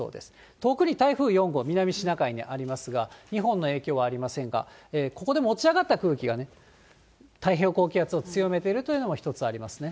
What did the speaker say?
遠くに台風４号、南シナ海にありますが、日本への影響はありませんが、ここで持ち上がった空気が太平洋高気圧を強めているというのも一つありますね。